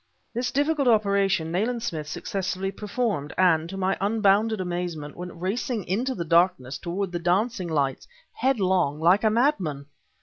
This difficult operation Nayland Smith successfully performed, and, to my unbounded amazement, went racing into the darkness toward the dancing light, headlong, like a madman!